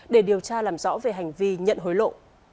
để điều tra làm rõ về hành vi nhận hối lộ